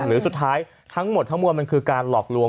หรือสุดท้ายทั้งหมดทั้งมวลมันคือการหลอกลวง